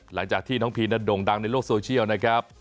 หลังจากที่น้องพีนโด่งดังในโลกโซเชียลนะครับ